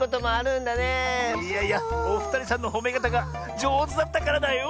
いやいやおふたりさんのほめかたがじょうずだったからだよ！